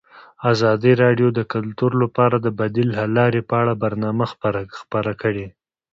ازادي راډیو د کلتور لپاره د بدیل حل لارې په اړه برنامه خپاره کړې.